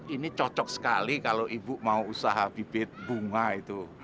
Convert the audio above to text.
ini cocok sekali kalau ibu mau usaha bibit bunga itu